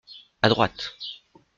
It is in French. À droite.